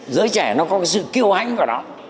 giới trẻ nó có cái sự kiêu hãnh của nó